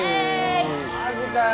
マジかよ。